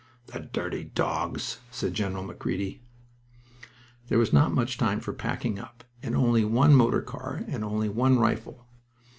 "The dirty dogs!" said General Macready. There was not much time for packing up, and only one motor car, and only one rifle.